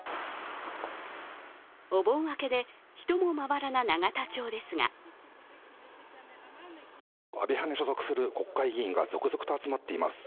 お盆明けで、人もまばらな永田町ですが安倍派に所属する国会議員が続々と集まっています。